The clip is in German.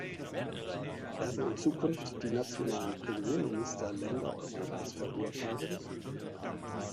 Werden in Zukunft die nationalen Premierminister Länder Europas verurteilen?